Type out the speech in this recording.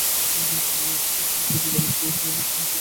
তাহার কৌতুকহাস্য দমন করিয়া রাখে, সমাজে এমন কোনো শক্তি ছিল না।